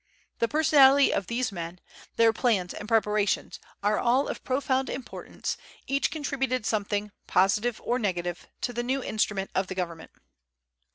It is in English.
The personality of these men, their plans and preparations, are all of profound importance; each contributed something, positive or negative, to the new instrument of government.